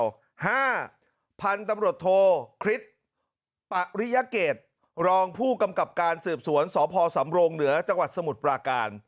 ๕พันธุ์บังคับการศูนย์ทโทคริสต์ปริยเกษรองผู้กำกับการสืบสวนสพสำโรงเหนือจสมุทรปลาการ